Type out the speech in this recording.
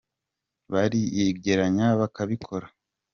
bariyegeranya bakabikora.